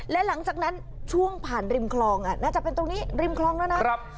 และหลังจากนั้นช่วงผ่านริมคลองน่าจะเป็นตรงนี้ริมคลองแล้วนะ